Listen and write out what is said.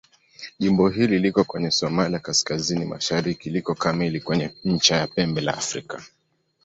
Jimbo hili liko kwenye Somalia kaskazini-mashariki liko kamili kwenye ncha ya Pembe la Afrika.